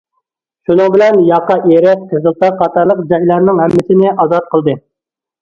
شۇنىڭ بىلەن ياقا ئېرىق، قىزىلتاغ قاتارلىق جايلارنىڭ ھەممىسىنى ئازاد قىلدى.